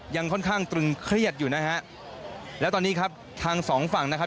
ยังค่อนข้างตรึงเครียดอยู่นะฮะแล้วตอนนี้ครับทางสองฝั่งนะครับ